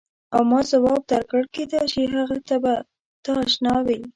او ما ځواب درکړ کېدای شي هغې ته به ته اشنا وې.